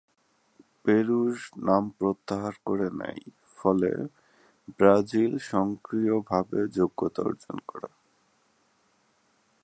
Peru নাম প্রত্যাহার করে নেয়, ফলে ব্রাজিল স্বয়ংক্রিয়ভাবে যোগ্যতা অর্জন করে।